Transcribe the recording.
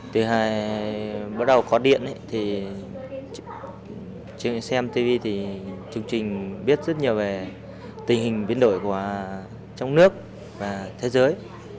từ khi bắt đầu có điện trước khi xem tivi thì chương trình biết rất nhiều về tình hình biến đổi của trong nước và thế giới